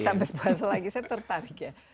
sampai masuk lagi saya tertarik ya